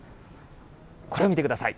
これを見てください。